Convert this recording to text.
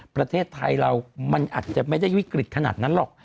ประเทศไทยเรามันอาจจะไม่ได้วิกฤตขนาดนั้นหรอก